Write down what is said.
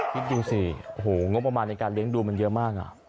คิดดูสิโอ้โหงบประมาณในการเลี้ยงดูมันเยอะมาก